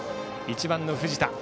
１番の藤田。